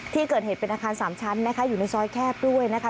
ที่เกิดเหตุเป็นอาคาร๓ชั้นนะคะอยู่ในซอยแคบด้วยนะคะ